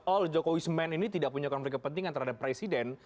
all jokowi semen ini tidak punya konflik kepentingan terhadap presiden